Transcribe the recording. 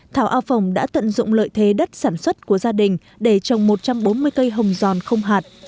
thảo a phồng đã tận dụng lợi thế đất sản xuất của gia đình để trồng một trăm bốn mươi cây hồng giòn không hạt